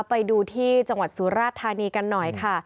ไปดูที่จังหวัดสุราธานีกันหน่อยค่ะ